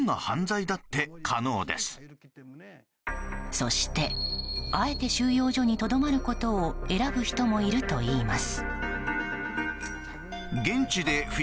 そして、あえて収容所にとどまることを選ぶ人もいるといいます。